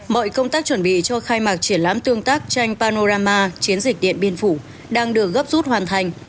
mọi công tác chuẩn bị cho khai mạc triển lãm tương tác tranh panorama chiến dịch điện biên phủ đang được gấp rút hoàn thành